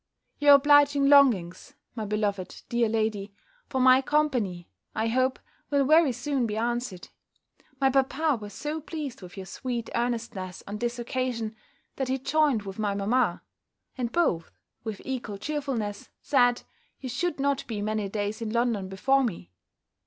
Your obliging longings, my beloved dear lady, for my company, I hope, will very soon be answered. My papa was so pleased with your sweet earnestness on this occasion, that he joined with my mamma; and both, with equal cheerfulness, said, you should not be many days in London before me.